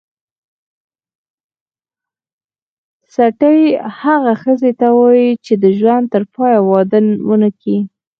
ستۍ هغه ښځي ته وايي چي د ژوند ترپایه واده ونه کي.